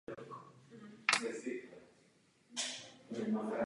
Do současnosti se toho z hradu příliš nedochovalo.